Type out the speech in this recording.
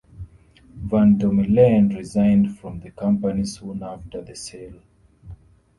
Van Domelen resigned from the company soon after the sale.